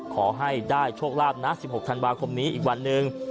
ขอให้ได้โชคลาภนะ๑๖ธันวาคมนี้อีกวันหนึ่ง